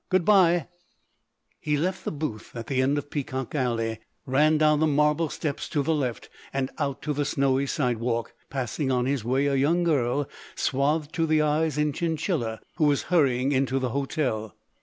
Good b——" He left the booth at the end of Peacock Alley, ran down the marble steps to the left and out to the snowy sidewalk, passing on his way a young girl swathed to the eyes in chinchilla who was hurrying into the hotel.